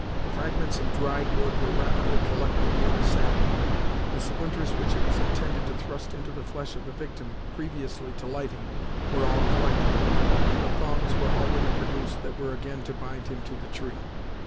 Fragments of dried wood were rapidly collected near the sapling, the splinters which it was intended to thrust into the flesh of the victim, previously to lighting, were all collected, and the thongs were already produced that were again to bind him to the tree.